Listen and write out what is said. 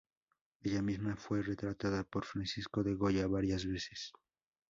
Ella misma fue retratada por Francisco de Goya varias veces.